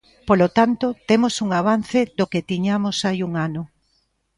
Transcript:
Polo tanto, temos un avance do que tiñamos hai un ano.